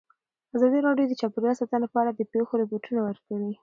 ازادي راډیو د چاپیریال ساتنه په اړه د پېښو رپوټونه ورکړي.